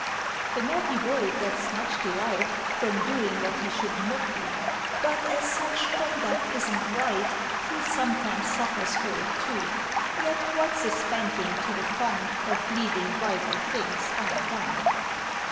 The Naughty Boy gets much delight From doing what he should not do; But, as such conduct isn't Right, He sometimes suffers for it, too. Yet, what's a spanking to the fun Of leaving vital things Undone?